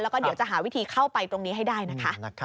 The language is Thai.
แล้วก็เดี๋ยวจะหาวิธีเข้าไปตรงนี้ให้ได้นะคะ